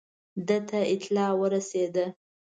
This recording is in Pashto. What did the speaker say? ده ته اطلاع ورسېده.